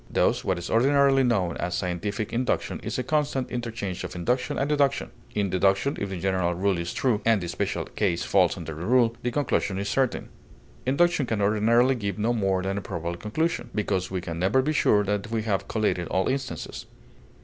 Thus what is ordinarily known as scientific induction is a constant interchange of induction and deduction. In deduction, if the general rule is true, and the special case falls under the rule, the conclusion is certain; induction can ordinarily give no more than a probable conclusion, because we can never be sure that we have collated all instances.